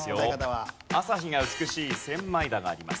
朝日が美しい千枚田があります。